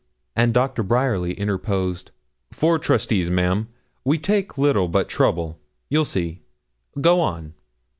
and Doctor Bryerly interposed 'Four trustees, ma'am. We take little but trouble you'll see; go on.'